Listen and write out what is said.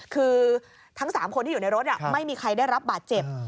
คือทั้ง๓คนที่อยู่ในรถไม่มีใครได้รับบาดเจ็บ